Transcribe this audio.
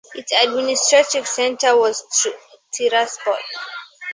Its administrative centre was Tiraspol.